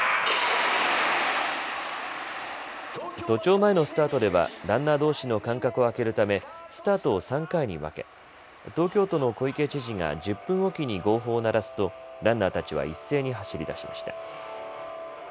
都庁前のスタートではランナーどうしの間隔を空けるためスタートを３回に分け、東京都の小池知事が１０分置きに号砲を鳴らすとランナーたちは一斉に走り出しました。